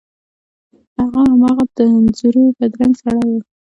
هغه هماغه د انځور بدرنګه سړی و.